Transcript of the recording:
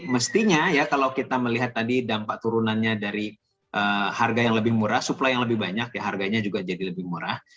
mestinya ya kalau kita melihat tadi dampak turunannya dari harga yang lebih murah suplai yang lebih banyak ya harganya juga jadi lebih murah